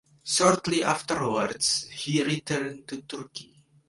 Shortly afterwards, he returned to Turkey.